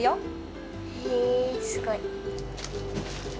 へえすごい。